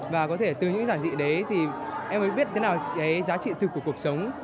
và có thể từ những giản dị đấy thì em mới biết thế nào cái giá trị thực của cuộc sống